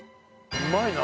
うまいな。